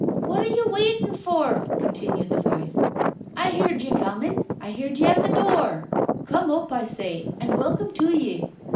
" What are ye waitin' for ?" continued the voice. " I heard ye comin*. I heard ye at the door. Come up, I say, and welcome to ye